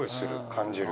感じる。